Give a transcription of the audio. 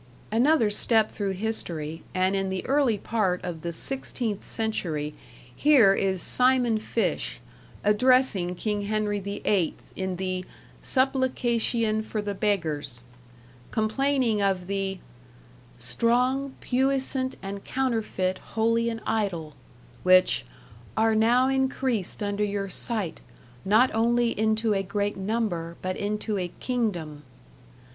Another step through history, and in the early part of the sixteenth century here is Simon Fish, addressing King Henry the Eighth, in the "Supplicacyon for the Beggars", complaining of the "strong, puissant and counterfeit holy and ydell" which "are now increased under your sight, not only into a great nombre, but ynto a kingdome."